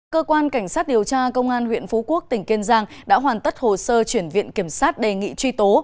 cơ quan cảnh sát điều tra công an huyện phú quốc tỉnh kiên giang đã hoàn tất hồ sơ chuyển viện kiểm sát đề nghị truy tố